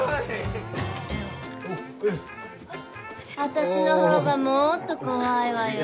私のほうがもっと怖いわよ。